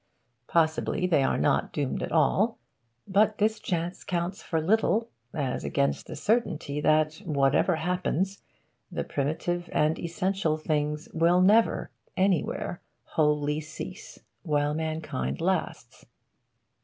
Possibly they are not doomed at all. But this chance counts for little as against the certainty that, whatever happens, the primitive and essential things will never, anywhere, wholly cease, while mankind lasts.